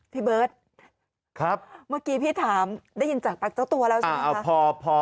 พี่เบิร์ตครับเมื่อกี้พี่ถามได้ยินจากปากเจ้าตัวแล้วใช่ไหม